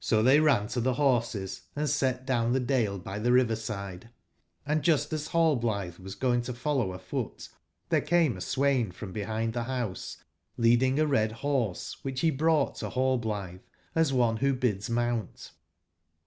Otbey ran to tbe borses and set down tbe dale by tbe river/side, and just as Hallblitbe was going to follow afoot, tbere came a swain from bebind tbe bouse leading a red borse wbicb be brougbt to Rallblitbe as one wbo bids 'mount.